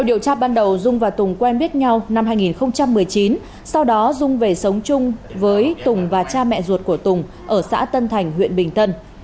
điều tra ban đầu dung và tùng quen biết nhau năm hai nghìn một mươi chín sau đó dung về sống chung với tùng và cha mẹ ruột của tùng ở xã tân thành huyện bình tân